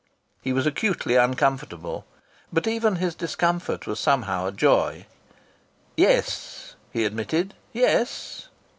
He was acutely uncomfortable, but even his discomfort was somehow a joy. "Yes," he admitted. "Yes."